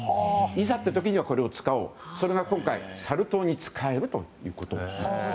いざという時にはこれを使おうそれが今回サル痘に使えるということです。